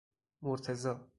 مرتضی